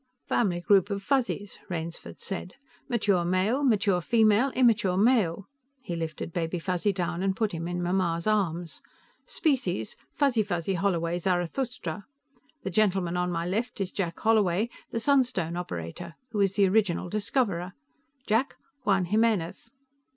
_" "Family group of Fuzzies," Rainsford said. "Mature male, mature female, immature male." He lifted Baby Fuzzy down and put him in Mamma's arms. "Species Fuzzy fuzzy holloway zarathustra. The gentleman on my left is Jack Holloway, the sunstone operator, who is the original discoverer. Jack, Juan Jimenez."